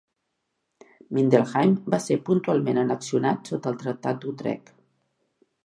Mindelheim va ser puntualment annexionat sota el Tractat d'Utrecht.